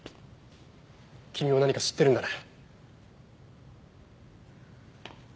君も何か知ってるんだね。